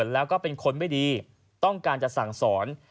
แล้วก็เป็นคนไม่ดีต้องการจะสั่งสอน